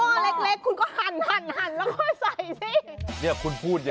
หม้อเล็กคุณก็หั่นแล้วก็ใส่สิ